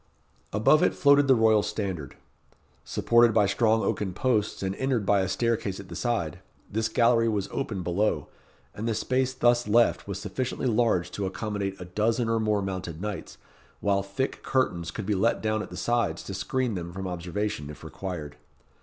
Above it floated the royal standard. Supported by strong oaken posts, and entered by a staircase at the side, this gallery was open below, and the space thus left was sufficiently large to accommodate a dozen or more mounted knights, while thick curtains could be let down at the sides to screen them from observation, if required.